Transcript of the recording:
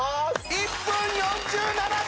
１分４７秒！